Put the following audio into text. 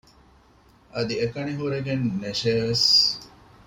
އަދި އެކަނި ހުރެގެން ނެށޭވެސް